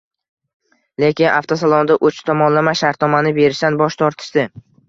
lekin avtosalonda uch tomonlama shartnomani berishdan bosh tortishdi.